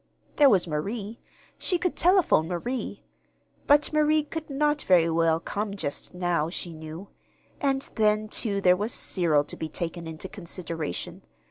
There was Marie. She could telephone Marie. But Marie could not very well come just now, she knew; and then, too, there was Cyril to be taken into consideration.